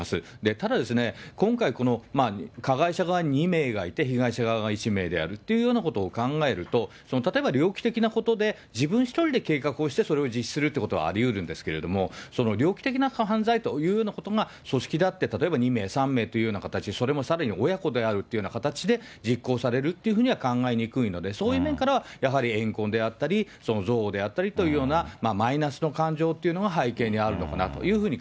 ただですね、今回、加害者側２名がいて、被害者側が１名であるっていうようなことを考えると、例えば猟奇的なことで、自分１人で計画をしてそれを実施するってことはありうるんですけれども、猟奇的な犯罪というようなことが組織立って、例えば２名、３名というような形、それもさらに親子であるというような形で実行されるっていうふうには、考えにくいので、そういう面からはやはり、怨恨であったり、憎悪であったりというような、ハロー！